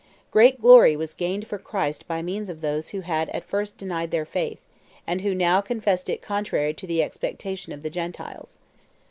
"Great glory was gained for Christ by means of those who had at first denied their faith, and who now confessed it contrary to the expectation of the Gentiles.